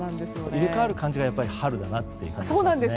入れ替わる感じが春だなって感じがしますね。